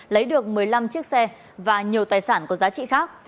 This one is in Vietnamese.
lấy được một mươi năm chiếc xe và nhiều tài sản có giá trị khác